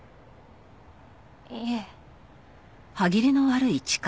いえ。